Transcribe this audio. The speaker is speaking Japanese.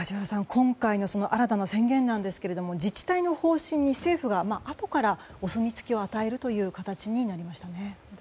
今回の新たな宣言なんですが自治体の方針に政府があとからお墨付きを与えるという形になりましたね。